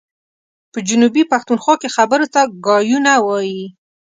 په جنوبي پښتونخوا کي خبرو ته ګايونه وايي.